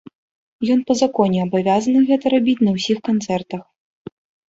Ён па законе абавязаны гэта рабіць на ўсіх канцэртах.